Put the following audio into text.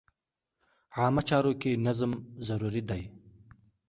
عامه چارو کې نظم ضروري دی.